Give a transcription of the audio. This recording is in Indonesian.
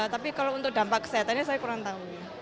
tapi kalau untuk dampak kesehatannya saya kurang tahu